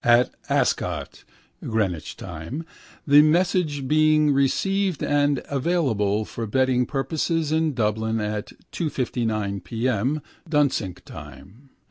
at Ascot (Greenwich time), the message being received and available for betting purposes in Dublin at 2.59 p.m. (Dunsink time).